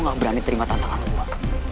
gak berani terima tantangan gue